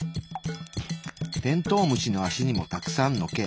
テントウムシの足にもたくさんの毛。